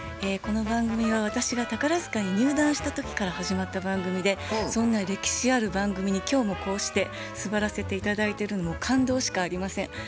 この番組は私が宝塚に入団した時から始まった番組でそんな歴史ある番組に今日もこうして座らせて頂いてるのは感動しかありません。